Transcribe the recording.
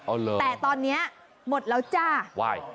โอ้โหแต่ตอนเนี้ยหมดแล้วจ่าว้าย